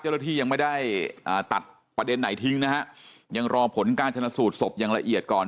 เจ้าหน้าที่ยังไม่ได้ตัดประเด็นไหนทิ้งนะฮะยังรอผลการชนะสูตรศพอย่างละเอียดก่อน